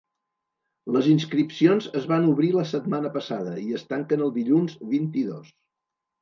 Les inscripcions es van obrir la setmana passada i es tanquen el dilluns, vint-i-dos.